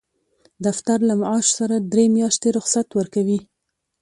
دفتر له معاش سره درې میاشتې رخصت ورکوي.